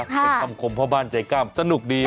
เป็นคำคมพ่อบ้านใจกล้ามสนุกดี